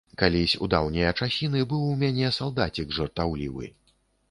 Калісь у даўнія часіны быў у мяне салдацік жартаўлівы.